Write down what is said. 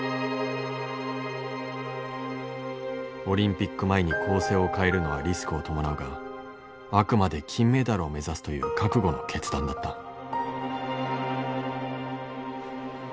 オリンピック前に構成を変えるのはリスクを伴うがあくまで金メダルを目指すという覚悟の決断だった。